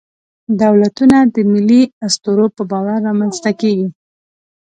دولتونه د ملي اسطورو په باور رامنځ ته کېږي.